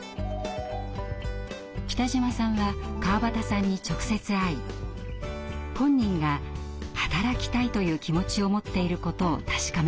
来島さんは川端さんに直接会い本人が働きたいという気持ちを持っていることを確かめました。